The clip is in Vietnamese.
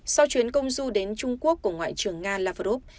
sau chuyến công du đến trung quốc của ngoại trưởng nga lavrov